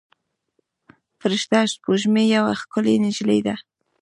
فرشته سپوږمۍ یوه ښکلې نجلۍ ده.